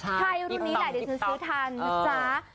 ใช่รุ่นนี้แหละเดี๋ยวจะซื้อทัน